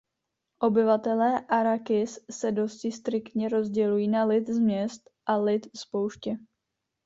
Obyvatelé Arrakis se dosti striktně rozdělují na lid z měst a lid z pouště.